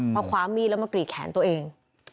พอคว้ามีดแล้วมากรีดแขนตัวเอง